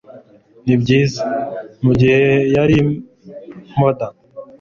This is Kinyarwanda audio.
Nibyiza: mugihe yari moda